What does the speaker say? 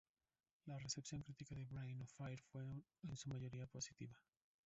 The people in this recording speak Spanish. La recepción crítica de Brain on Fire fue en su mayoría positiva.